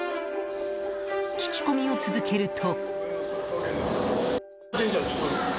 聞き込みを続けると。